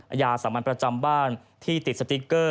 อาญาสามัญประจำบ้านที่ติดสติ๊กเกอร์